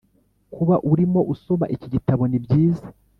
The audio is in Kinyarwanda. Kuba urimo usoma iki gitabo nibyiza